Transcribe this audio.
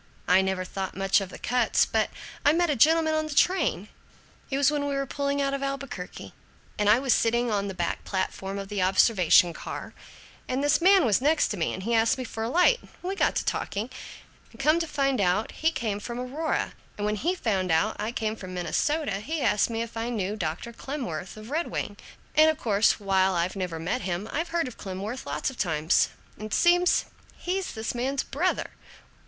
I never thought much of the Kutz. But I met a gentleman on the train it was when we were pulling out of Albuquerque, and I was sitting on the back platform of the observation car, and this man was next to me and he asked me for a light, and we got to talking, and come to find out, he came from Aurora, and when he found out I came from Minnesota he asked me if I knew Dr. Clemworth of Red Wing, and of course, while I've never met him, I've heard of Clemworth lots of times, and seems he's this man's brother!